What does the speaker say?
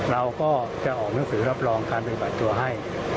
เราก็จะออกหนังสือรับรองการปฏิบัติตัวให้